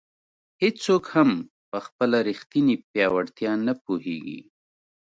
هیڅوک هم په خپله ریښتیني پیاوړتیا نه پوهېږي.